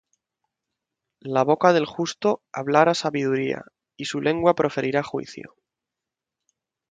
La boca del justo hablara sabiduría; Y su lengua proferirá juicio.